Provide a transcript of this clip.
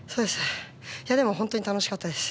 本当に楽しかったです。